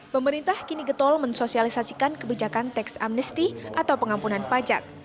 pemerintah kini getol mensosialisasikan kebijakan tax amnesty atau pengampunan pajak